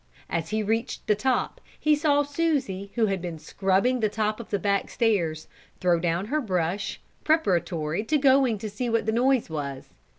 As he reached the top, he saw Susie who had been scrubbing the top of the back stairs, throw down her brush, preparatory to going to see what the noise was.